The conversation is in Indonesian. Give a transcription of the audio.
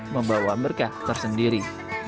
membawa berkah tersendiri